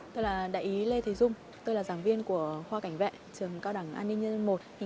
tôi là đại ý lê thầy dung tôi là giảng viên của khoa cảnh vệ trường cao đẳng an ninh nhân dân i